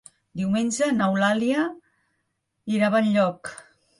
Diumenge n'Eulàlia irà a Benlloc.